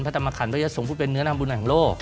๘๔๐๐๐พระธรรมคัณพระยศงพุทธเป็นเนื้อนามบุญแห่งโลก